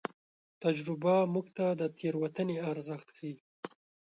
تجربه موږ ته د تېروتنې ارزښت ښيي.